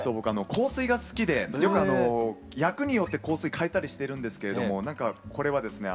香水が好きでよく役によって香水かえたりしてるんですけれどもこれはですね